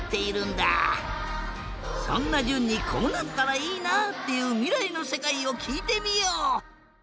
そんなじゅんにこうなったらいいなっていうみらいのせかいをきいてみよう。